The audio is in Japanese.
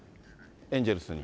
エンジェルスに。